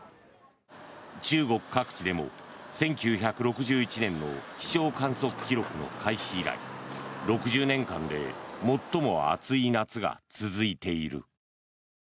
中国各地でも１９６１年の気象観測記録の開始以来６０年間で最も暑い夏が続いている。